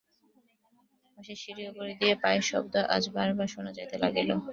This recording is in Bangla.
পাশের সিঁড়ির উপর দিয়া পায়ের শব্দ আজ বারবার শোনা যাইতে লাগিল।